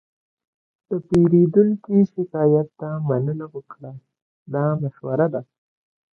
د پیرودونکي شکایت ته مننه وکړه، دا مشوره ده.